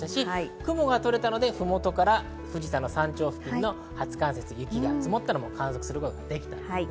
雲が取れたので、麓から富士山の山頂付近の初冠雪、雪が積もったのも観測することができたんですね。